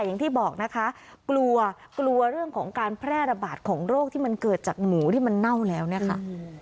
อย่างที่บอกนะคะกลัวกลัวเรื่องของการแพร่ระบาดของโรคที่มันเกิดจากหมูที่มันเน่าแล้วเนี่ยค่ะ